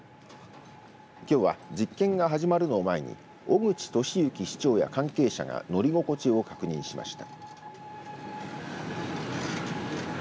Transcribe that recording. きょうは、実験が始まるのを前に小口利幸市長や関係者が乗り心地を確認しました。